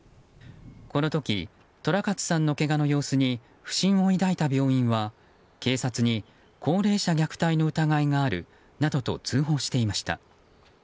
この時、寅勝さんのけがの様子に不審を抱いた病院は警察に、高齢者虐待の疑いがあるなどと通報していました。